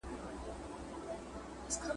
چي څه ګټم هغه د وچي ډوډۍ نه بسیږي ..